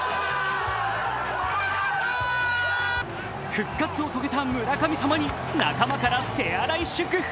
復活を遂げた村神様に仲間から手荒い祝福。